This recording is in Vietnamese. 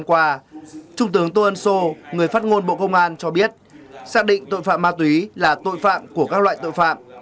và phát ngôn bộ công an cho biết xác định tội phạm ma túy là tội phạm của các loại tội phạm